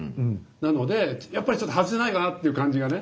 なのでやっぱりちょっと外せないかなあっていう感じがね。